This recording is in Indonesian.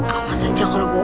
awas aja kalau bohong